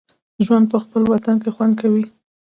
ژوند په خپل وطن کې خوند کوي